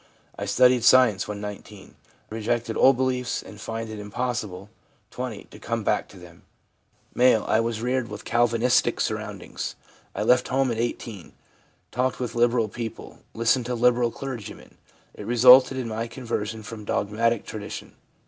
I studied science when 19. Rejected old beliefs, and find it impossible (20) to come back to them/ M. 'I was reared with Calvinisticsurroundings. I left home at 18; talked with liberal people ; listened to liberal clergymen. It resulted in my conversion from dogmatic tradition.